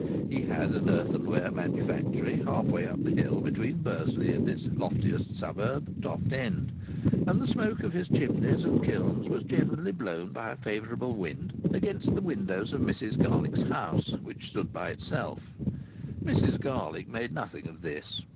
He had an earthenware manufactory half way up the hill between Bursley and its loftiest suburb, Toft End, and the smoke of his chimneys and kilns was generally blown by a favourable wind against the windows of Mrs Garlick's house, which stood by itself. Mrs Garlick made nothing of this.